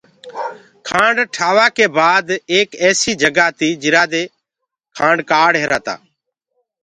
کآنڊ ٺيوآ ڪي بآد ايڪ ايسي جگآ تي جرآ مي کآڙ رهيري تي۔